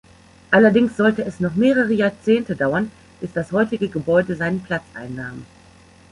Allerdings sollte es noch mehrere Jahrzehnte dauern, bis das heutige Gebäude seinen Platz einnahm.